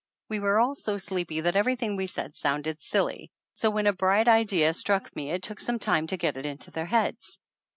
We were all so sleepy that everything we said sounded silly, so when a bright idea struck me it took some time to get it into their heads.